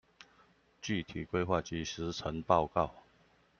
具體規劃及時程報告